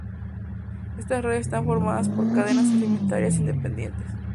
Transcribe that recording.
Estas redes están formadas por cadenas alimentarias independientes.